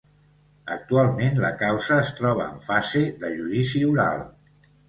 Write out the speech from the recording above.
Actualment la causa es troba en fase de judici oral.